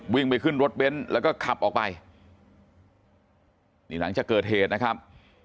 วิ่งไปขึ้นรถเบ้นแล้วก็ขับออกไปนี่หลังจากเกิดเหตุนะครับ